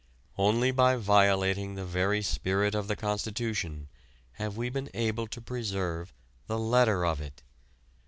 Only by violating the very spirit of the constitution have we been able to preserve the letter of it.